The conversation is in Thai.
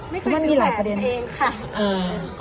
ไม่เคยซื้อแบบเองค่ะ